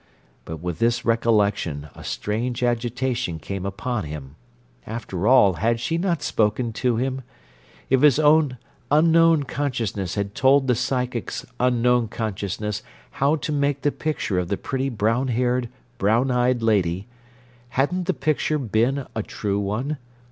But with this recollection a strange agitation came upon him. After all, had she not spoken to him? If his own unknown consciousness had told the "psychic's" unknown consciousness how to make the picture of the pretty brown haired, brown eyed lady, hadn't the picture been a true one?